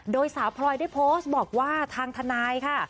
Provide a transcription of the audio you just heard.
โดยสาวพลอยได้โพสต์บอกว่าทางทนายค่ะ